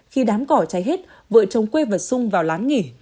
khi đám cỏ cháy hết vợ chồng quê vật sung vào láng nghỉ